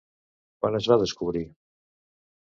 Quan es va descobrir?